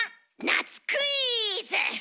夏クイズ。